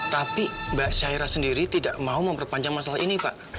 tapi mbak syaira sendiri tidak mau memperpanjang masalah ini pak